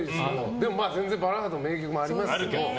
でも、バラードの名曲もありますけど。